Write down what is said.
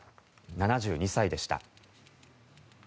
７２歳でした。